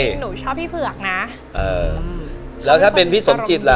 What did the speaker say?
หนูชอบพี่เผือกนะเออแล้วถ้าเป็นพี่สมจิตล่ะ